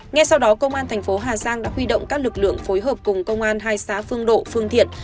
nghe sau đó công an tp hcm đã huy động các lực lượng phối hợp cùng công an hai xã phương độ phương thiện